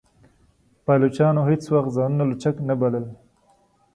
پایلوچانو هیڅ وخت ځانونه لوچک نه بلل.